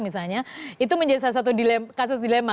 itu menjadi salah satu dilema